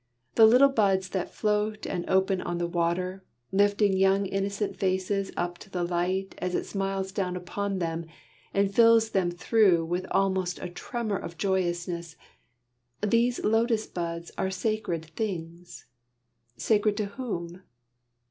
The little buds that float and open on the water, lifting young innocent faces up to the light as it smiles down upon them and fills them through with almost a tremor of joyousness, these Lotus buds are sacred things sacred to whom?